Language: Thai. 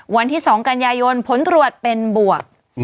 วันที่๒กันยายนผลตรวจเป็นบวก